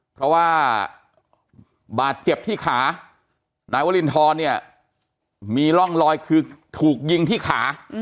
เพราะว่าบาดเจ็บที่ขานายวรินทรเนี่ยมีร่องรอยคือถูกยิงที่ขา